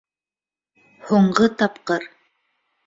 Һуңғы тапҡыр.